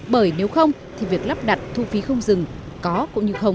bởi nếu không thì việc lắp đặt thu phí không dừng có cũng như không